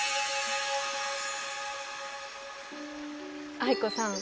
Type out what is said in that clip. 藍子さん